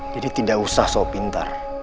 jadi tidak usah so pintar